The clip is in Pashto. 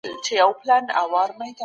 د ژوند حق د هر چا لپاره یو شان دی.